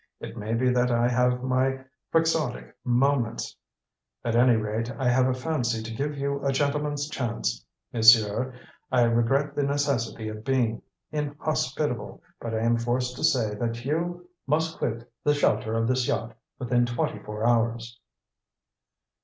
It may be that I have my quixotic moments. At any rate, I have a fancy to give you a gentleman's chance. Monsieur, I regret the necessity of being inhospitable, but I am forced to say that you must quit the shelter of this yacht within twenty four hours."